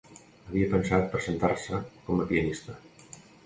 Havia pensat presentar-se com a pianista.